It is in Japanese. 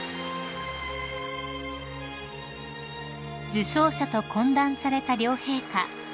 ［受賞者と懇談された両陛下］